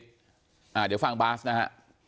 น่าเดี๋ยวฟังบ๊าซนะฮะ